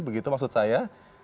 begitu maksud saya